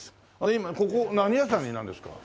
今ここ何屋さんになるんですか？